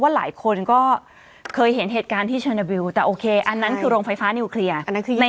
หลายคนก็เคยเห็นเหตุการณ์ที่ชนนาวิวแต่โอเคอันนั้นคือโรงไฟฟ้านิวเคลียร์